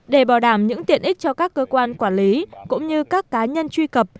để bảo đảm những tiện ích cho các cơ quan quản lý cũng như các cá nhân truy cập